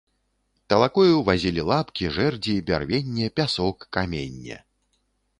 Талакою вазілі лапкі, жэрдзі, бярвенне, пясок, каменне.